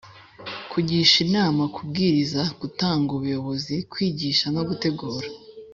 kugisha inama, kubwiriza, gutanga ubuyobozi, kwigisha no gutegura